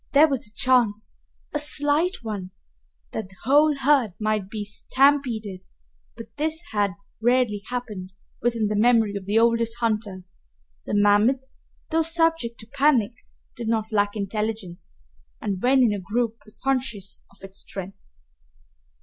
There was a chance a slight one that the whole herd might be stampeded, but this had rarely happened within the memory of the oldest hunter. The mammoth, though subject to panic, did not lack intelligence and when in a group was conscious of its strength.